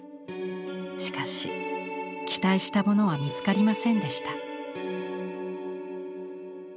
しかし期待したものは見つかりませんでした。